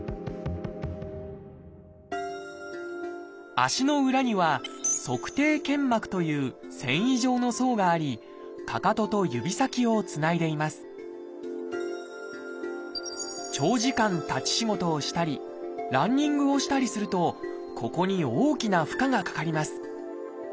足の裏には「足底腱膜」という繊維状の層がありかかとと指先をつないでいます長時間立ち仕事をしたりランニングをしたりするとここに大きな負荷がかかります。